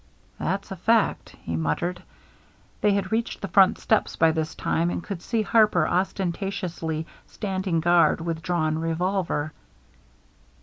"That's a fact," he muttered. They had reached the front steps by this time, and could see Harper ostentatiously standing guard with drawn revolver.